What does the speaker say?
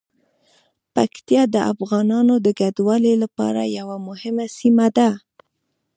پکتیا د افغانانو د کډوالۍ لپاره یوه مهمه سیمه ده.